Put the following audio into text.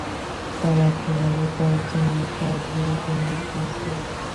তার অগ্রভাগে কয়েকজন লোক তা ধরে টেনে আনছে।